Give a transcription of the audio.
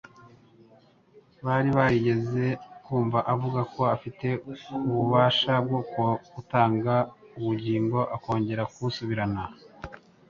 Bari barigeze kumva avuga ko afite ububasha bwo gutanga ubugingo akongera kubusubirana.